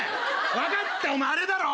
わかったお前あれだろおい！